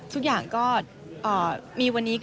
ทุกอย่างก็มีวันนี้